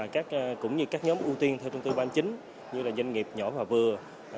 cũng như các nhóm ưu tiên theo trong tư ban chính như doanh nghiệp nhỏ và vừa